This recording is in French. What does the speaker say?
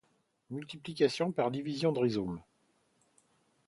Multiplication par division de rhizome.